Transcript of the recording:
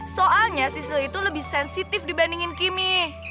soalnya sisu itu lebih sensitif dibandingin kimi